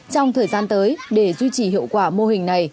trong thời gian tới để duy trì hiệu quả mô hình này